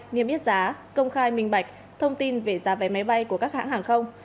nghiêm biết giá công khai minh bạch thông tin về giá vé máy bay của các hãng hàng không